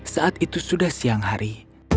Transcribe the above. saat itu sudah siang hari